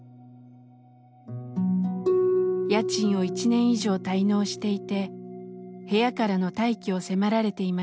家賃を１年以上滞納していて部屋からの退去を迫られていました。